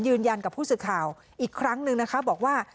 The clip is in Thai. ยืนยันกับผู้สื่อข่าวอีกครั้งหนึ่งนะคะบอกว่า